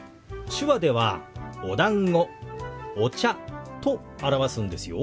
手話では「おだんご」「お茶」と表すんですよ。